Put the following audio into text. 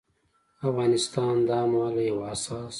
افغانستان دا مهال له يو حساس